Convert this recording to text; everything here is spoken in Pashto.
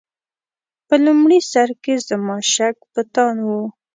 په لومړي سر کې زما شک بتان و.